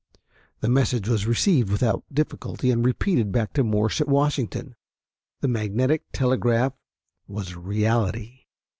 The message was received without difficulty and repeated back to Morse at Washington. The magnetic telegraph was a reality.